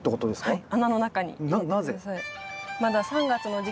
はい。